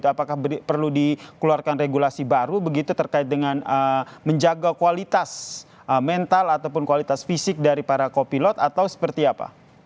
apakah perlu dikeluarkan regulasi baru begitu terkait dengan menjaga kualitas mental ataupun kualitas fisik dari para kopilot atau seperti apa